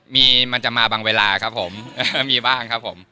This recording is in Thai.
มีมันจะมาบางเวลาครับผมมีบ้างครับผม